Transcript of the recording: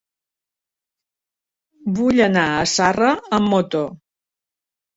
Vull anar a Zarra amb moto.